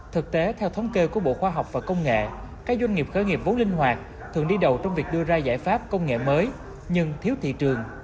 thực tế theo thống kê của bộ khoa học và công nghệ các doanh nghiệp khởi nghiệp vốn linh hoạt thường đi đầu trong việc đưa ra giải pháp công nghệ mới nhưng thiếu thị trường